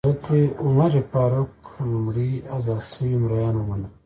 حضرت عمر فاروق لومړی ازاد شوي مریان ومنل.